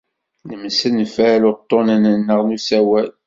Nemsenfal uḍḍunen-nneɣ n usawal.